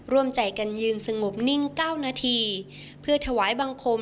ร่วมใจกันยืนสงบนิ่ง๙นาทีเพื่อถวายบังคม